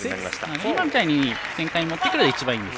今みたいな展開に持っていくといいんです。